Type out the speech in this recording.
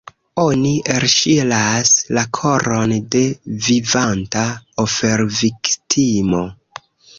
Oni elŝiras la koron de vivanta oferviktimo.